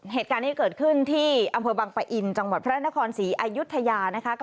เหตุการณ์นี้เกิดขึ้นที่อำเภอบังปะอินจังหวัดพระนครศรีอายุทยานะคะ